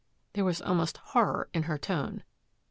" There was almost horror in her tone.